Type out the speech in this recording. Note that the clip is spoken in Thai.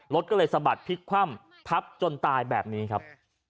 รถก็เลยสะบัดพลิกคว่ำทับจนตายแบบนี้ครับ